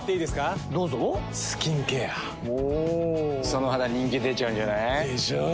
その肌人気出ちゃうんじゃない？でしょう。